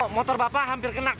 motor bapak hampir kena